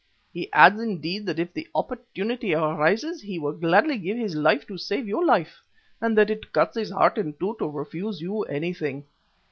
He adds, indeed, that if the opportunity arises, he will gladly give his life to save your life, and that it cuts his heart in two to refuse you anything.